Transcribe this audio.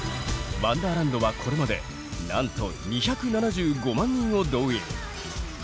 ワンダーランドはこれまでなんと２７５万人を動員。